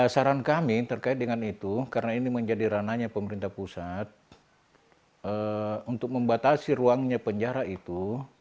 saran kami terkait dengan itu karena ini menjadi ranahnya pemerintah pusat untuk membatasi ruangnya penjara itu